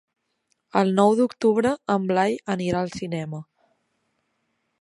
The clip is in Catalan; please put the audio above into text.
El nou d'octubre en Blai anirà al cinema.